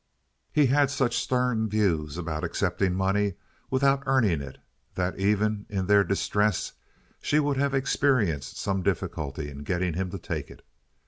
He had such stern views about accepting money without earning it that even in their distress, she would have experienced some difficulty in getting him to take it.